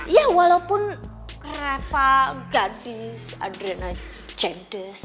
ya walaupun reva gadis adriana cendis